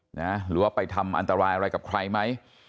หรือว่าไปทำอันตรายอะไรกับใครไหม